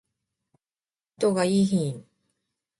人がいーひん